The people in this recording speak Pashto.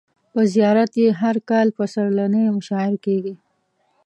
په زیارت یې هر کال پسرلنۍ مشاعر کیږي.